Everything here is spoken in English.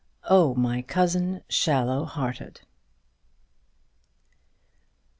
"OH, MY COUSIN, SHALLOW HEARTED!"